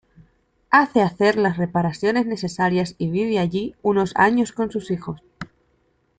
Hace hacer las reparaciones necesarias y vive allí unos años con sus hijos.